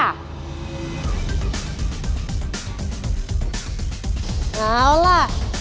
เอาล่ะ